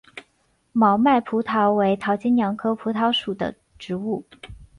毛脉蒲桃为桃金娘科蒲桃属的植物。